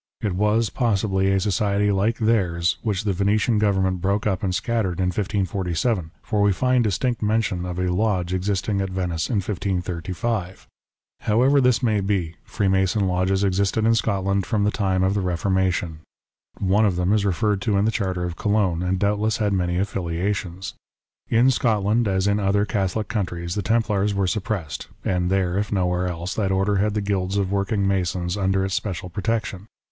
It was, possibly, a society like theirs, which the Venetian Government broke up and scattered in 1547, for we find distinct mention of a lodge existing at Venice in 1535. However this may be, Freemason lodges FREEMASONRY. 23 existed in Scotland from the time of the Reformation. One of them is referred to in the Charter of Cologne, and doubtless had many affiliations. In Scotland, as in other Catholic countries, the Templars were suppressed ; and there, if nowhere else, that Order had the guilds of working masons under its special protection.